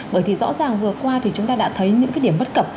bởi thì rõ ràng vừa qua thì chúng ta đã thấy những cái điểm bất cập